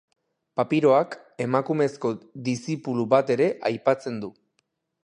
Papiroak emakumezko dizipulu bat ere aipatzen du.